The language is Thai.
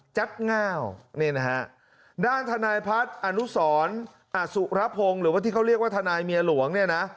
ง่าวนี่นะฮะด้านทนายพัฒน์อนุสรอสุรพงศ์หรือว่าที่เขาเรียกว่าทนายเมียหลวงเนี่ยนะ